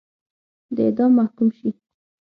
د اعدام محکوم شي.